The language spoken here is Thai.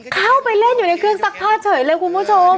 เข้าไปเล่นอยู่ในเครื่องซักผ้าเฉยเลยคุณผู้ชม